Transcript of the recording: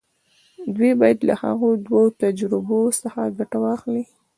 دوی بايد له هغو دوو تجربو څخه ګټه واخلي.